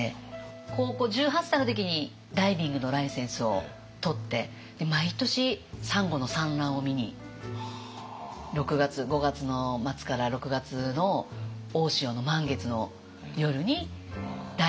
高校１８歳の時にダイビングのライセンスを取って毎年サンゴの産卵を見に５月の末から６月の大潮の満月の夜にダイビングをしに。